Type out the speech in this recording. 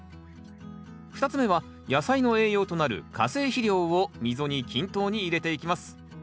２つ目は野菜の栄養となる化成肥料を溝に均等に入れていきます。